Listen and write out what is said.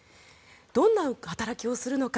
どんな働きをするのか。